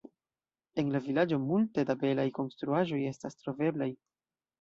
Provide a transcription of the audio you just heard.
En la vilaĝo multe da belaj konstruaĵoj estas troveblaj.